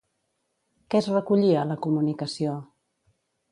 Què es recollia a la comunicació?